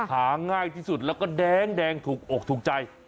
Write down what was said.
หาง่ายที่สุดแล้วก็แดงถูกอกถูกใจ